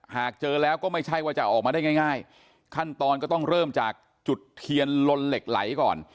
หากเจอแล้วก็ไม่ใช่ว่าจะออกมาได้ง่ายขั้นตอนก็ต้องเริ่มจากจุดเทียนลนเหล็กไหลก่อน